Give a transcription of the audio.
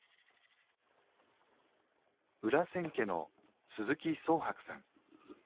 裏千家の鈴木宗博さん。